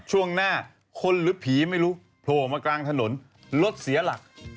ช่วงหน้าคนหรือผีไม่รู้โผล่มากลางถนนรถเสียหลัก